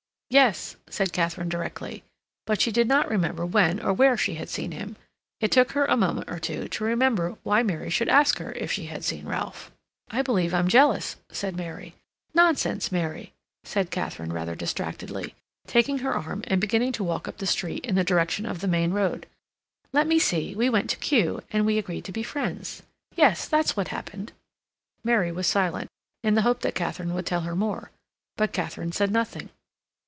"Yes," said Katharine directly, but she did not remember when or where she had seen him. It took her a moment or two to remember why Mary should ask her if she had seen Ralph. "I believe I'm jealous," said Mary. "Nonsense, Mary," said Katharine, rather distractedly, taking her arm and beginning to walk up the street in the direction of the main road. "Let me see; we went to Kew, and we agreed to be friends. Yes, that's what happened." Mary was silent, in the hope that Katharine would tell her more. But Katharine said nothing.